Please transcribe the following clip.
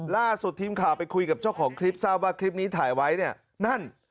ล่าสุดทีมข่าวไปคุยกับเจ้าของคลิปทราบว่าคลิปนี้ถ่ายไว้เนี่ยนั่น